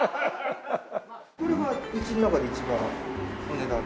これはうちの中で一番お値段。